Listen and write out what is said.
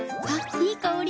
いい香り。